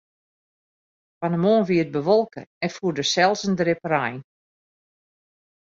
Fan 'e moarn wie it bewolke en foel der sels in drip rein.